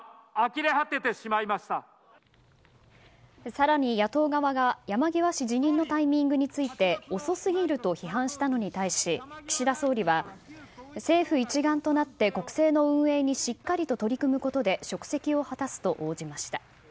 更に、野党側が山際氏辞任のタイミングについて遅すぎると批判したのに対し岸田総理は、政府一丸となって国政の運営にしっかりと取り組むことで職責を果たすと応じました。